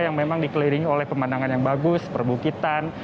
yang memang dikelilingi oleh pemandangan yang bagus perbukitan